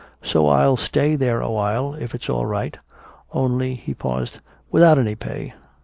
So I'll stay there awhile, if it's all right. Only " he paused "without any pay.